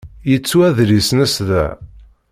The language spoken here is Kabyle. Yettu adlis-nnes da.